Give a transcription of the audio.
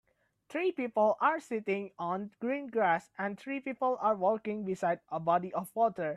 Three people are sitting on green grass and three people are walking beside a body of water.